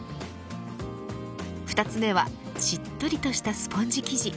２つ目はしっとりとしたスポンジ生地。